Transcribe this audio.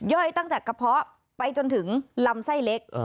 ตั้งแต่กระเพาะไปจนถึงลำไส้เล็ก